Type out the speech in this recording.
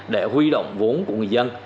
để huy động vốn của người dân